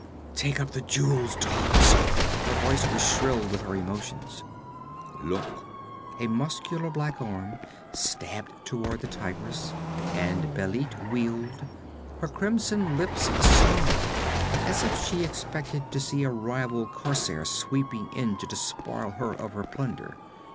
'Take up the jewels, dogs!' her voice was shrill with her emotions. 'Look!' a muscular black arm stabbed toward the Tigress, and Bêlit wheeled, her crimson lips a snarl, as if she expected to see a rival corsair sweeping in to despoil her of her plunder.